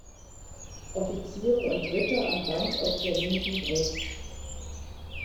Offiziere und Ritter am Band auf der linken Brust.